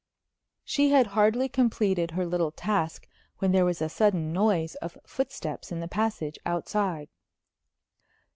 She had hardly completed her little task when there was a sudden noise of footsteps in the passage outside.